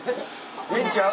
ええんちゃう。